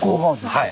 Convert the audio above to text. はい。